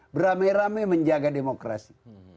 beramai ramai menjaga demokrasi